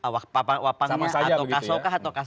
wapangnya atau kasaukah